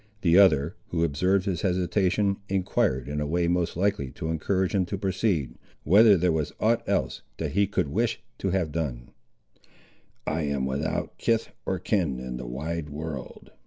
The other, who observed his hesitation, enquired in a way most likely to encourage him to proceed, whether there was aught else that he could wish to have done. "I am without kith or kin in the wide world!"